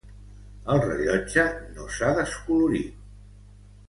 El rellotge no s'ha descolorit.